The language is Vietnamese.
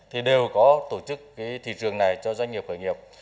thì đều có tổ chức cái thị trường này cho doanh nghiệp khởi nghiệp